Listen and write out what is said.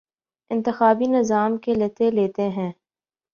انتخابی نظام کے لتے لیتے ہیں